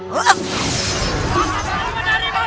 pemuda dari ipac